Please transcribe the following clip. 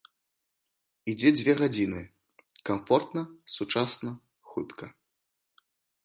Ідзе дзве гадзіны, камфортна, сучасна, хутка.